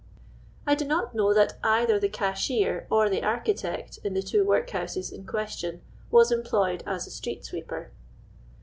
*'* I do not know that either the cashier or the architect in the two workhouses in question was employed as a stree^sweeper.